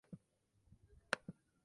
Habita en Lituania.